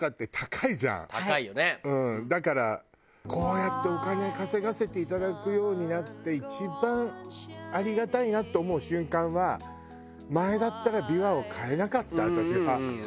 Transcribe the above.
だからこうやってお金稼がせていただくようになって一番ありがたいなと思う瞬間は前だったらびわを買えなかった私は。